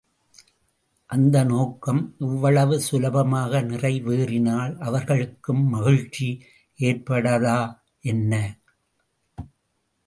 அந்த நோக்கம் இவ்வளவு சுலபமாக நிறைவேறினால் அவர்களுக்கும் மகிழ்ச்சி ஏற்படாதா என்ன?